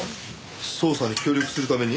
捜査に協力するために？